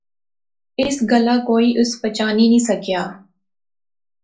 اس گلاہ کوئی اس پچھانی نی سکیا